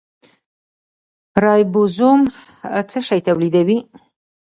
رایبوزوم څه شی تولیدوي؟